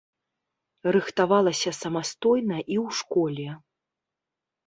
Рыхтавалася самастойна і ў школе.